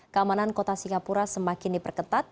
keamanan kota singapura semakin diperketat